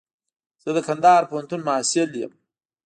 زه د کندهار پوهنتون محصل يم.